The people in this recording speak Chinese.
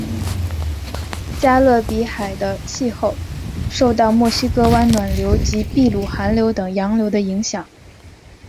加勒比海的气候受到墨西哥湾暖流及秘鲁寒流等洋流的影响。